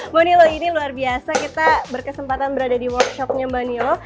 mbak nilo ini luar biasa kita berkesempatan berada di workshopnya mbak nilo